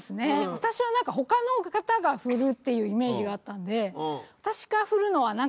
私はなんか他の方が振るっていうイメージがあったんで。